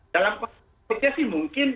dalam maksudnya sih mungkin